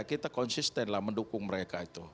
kita konsistenlah mendukung mereka itu